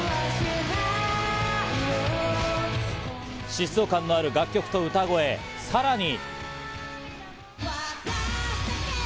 疾走感のある楽曲と歌声、さらに。